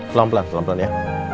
pelan pelan pelan pelan ya